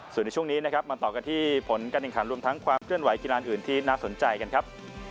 ส่วนที่ช่วงนี้มาต่อกันที่ผลการเองค้าร่วมทั้งความเคลื่อนไหวกีฬานอื่นที่น่าสนใจกันครับ